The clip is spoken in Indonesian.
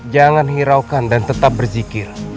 jangan hiraukan dan tetap berzikir